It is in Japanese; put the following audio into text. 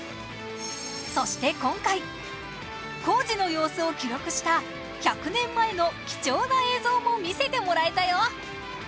そして今回工事の様子を記録した１００年前の貴重な映像も見せてもらえたよ